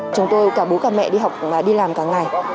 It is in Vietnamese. chúng tôi cả bố cả mẹ đi học và đi làm cả ngày